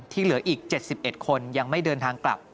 เหลืออีก๗๑คนยังไม่เดินทางกลับ